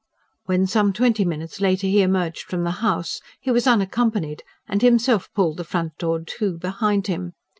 When some twenty minutes later he emerged from the house, he was unaccompanied, and himself pulled the front door to behind him.